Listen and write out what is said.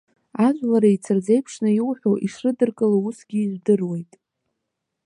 Ажәлар еицырзеиԥшны иуҳәо, ишрыдыркыло усгьы ижәдыруеит.